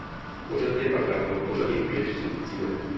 Pořadí je pak dáno pořadím běžců v cíli.